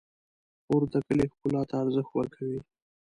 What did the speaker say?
خور د کلي ښکلا ته ارزښت ورکوي.